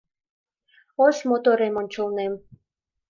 Ош моторем ончылнем